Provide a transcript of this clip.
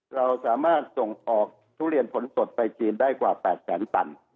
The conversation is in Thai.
เราสามารถส่งออกทุเรียนผลสดไปจีนได้กว่า๘แสนตัน